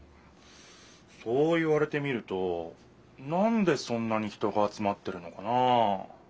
そう言われてみるとなんでそんなに人が集まってるのかなあ。